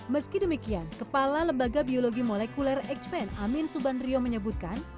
meski demikian kepala lembaga biologi molekuler xpen amin subandrio menyebutkan